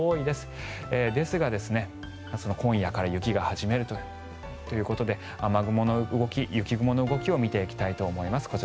ですが、今夜から雪が降り始めるということで雨雲の動き、雪雲の動きを見ていきたいと思います。